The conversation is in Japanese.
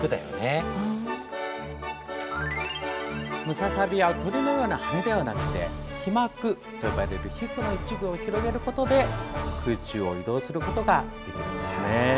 ムササビは鳥のような羽ではなくて飛膜と呼ばれる皮膚の一部を広げることで空中を移動することができるんですね。